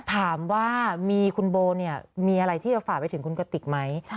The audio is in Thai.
ถามว่ามีคุณโบเนี่ยมีอะไรที่จะฝากไปถึงคุณกติกไหม